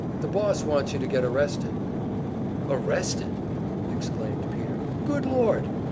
"The boss wants you to get arrested." "Arrested!" exclaimed Peter. "Good Lord!"